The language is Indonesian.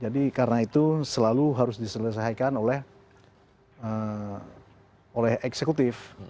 jadi karena itu selalu harus diselesaikan oleh eksekutif